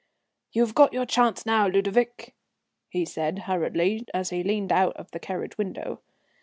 "You've got your chance now, Ludovic," he said hurriedly, as he leaned out of the carriage window.